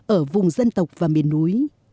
ở vùng dân tộc và miền núi